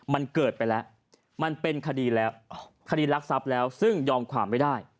มันเกิดไปแล้วมันเป็นคดีแล้วคดีรักทรัพย์แล้วซึ่งยอมความไม่ได้